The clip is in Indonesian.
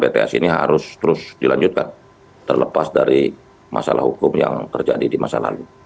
bts ini harus terus dilanjutkan terlepas dari masalah hukum yang terjadi di masa lalu